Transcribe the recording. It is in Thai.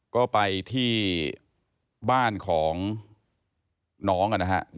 ก็ไปที่บ้านของน้องนะครับ